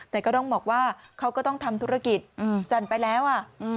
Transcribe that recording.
แต่ก็ต้องบอกว่าเขาก็ต้องทำธุรกิจจันทร์ไปแล้วอ่ะ